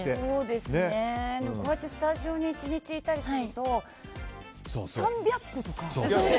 でもこうやってスタジオに１日いたりすると３００歩とか。